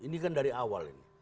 ini kan dari awal ini